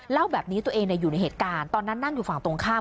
เล่าแบบนี้ตัวเองอยู่ในเหตุการณ์ตอนนั้นนั่งอยู่ฝั่งตรงข้าม